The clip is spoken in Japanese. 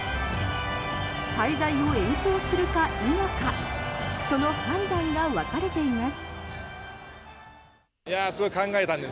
滞在を延長するか否かその判断が分かれています。